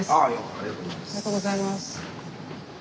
ありがとうございます。